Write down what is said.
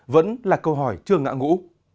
vẫn là câu hỏi chưa ngã ngũ